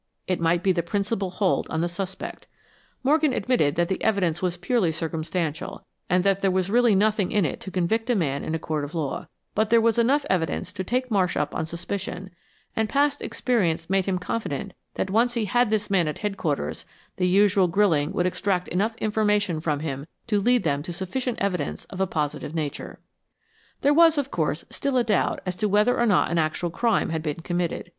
It might be the principal hold on the suspect. Morgan admitted that the evidence was purely circumstantial, and that there was really nothing in it to convict a man in a court of law, but there was enough evidence to take Marsh up on suspicion, and past experience made him confident that once he had this man at Headquarters, the usual grilling would extract enough information from him to lead them to sufficient evidence of a positive nature. There was, of course, still a doubt as to whether or not an actual crime had been committed.